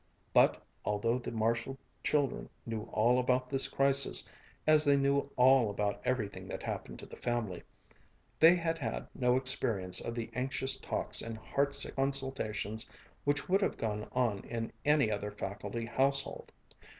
But although the Marshall children knew all about this crisis, as they knew all about everything that happened to the family, they had had no experience of the anxious talks and heartsick consultations which would have gone on in any other faculty household.